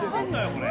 これ。